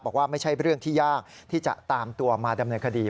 ไม่ใช่เรื่องที่ยากที่จะตามตัวมาดำเนินคดี